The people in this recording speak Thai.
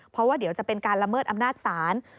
เพราะว่าเดี๋ยวจะเป็นการละเมิดอำนาจศาล